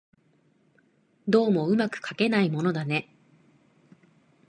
どうも巧くかけないものだね